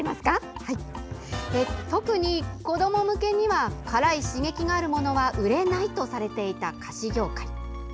特に子ども向けには辛い刺激があるものは売れないとされていた菓子業界。